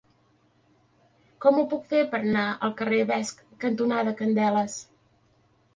Com ho puc fer per anar al carrer Vesc cantonada Candeles?